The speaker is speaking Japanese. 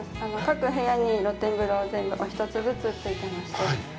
各部屋に露天風呂全部、お１つずつついてまして。